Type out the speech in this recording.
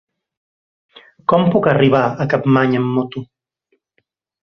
Com puc arribar a Capmany amb moto?